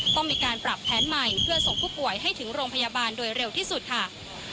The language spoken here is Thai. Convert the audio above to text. ต้องมีการปรับแผนใหม่เพื่อส่งผู้ป่วยให้ถึงโรงพยาบาลโดยเร็วที่สุดค่ะ